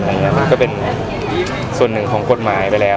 มันก็เป็นส่วนหนึ่งของกฎหมายไปแล้ว